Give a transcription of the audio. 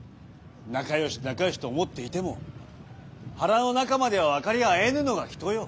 仲よし仲よしと思っていても腹の中までは分かり合えぬのが人よ。